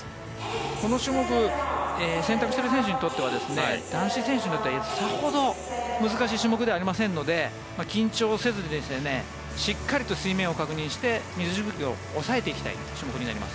この種目選択してる選手にとっては男子選手にとってはさほど難しい種目ではありませんので緊張せずにしっかりと水面を確認して水しぶきを抑えていきたい種目になります。